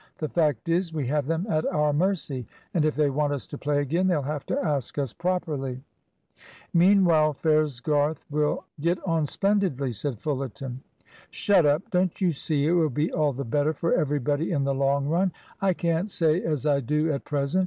"The fact is, we have them at our mercy; and if they want us to play again they'll have to ask us properly." "Meanwhile Fellsgarth will get on splendidly," said Fullerton. "Shut up. Don't you see it will be all the better for everybody in the long run?" "I can't say I do at present.